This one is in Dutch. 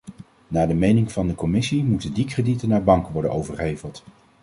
Naar de mening van de commissie moeten die kredieten naar banken worden overgeheveld.